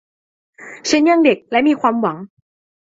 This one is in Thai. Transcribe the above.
ฉันยังเด็กและมีความหวัง